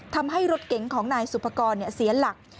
ทำให้รถเก๋งของนายสุภกรเสียหลัก